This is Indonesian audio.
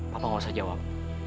papa nggak usah jawab